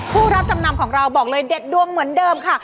ผู้รับจำนำของเราบอกเลยเด็ดดวงเหมือนเดิมค่ะ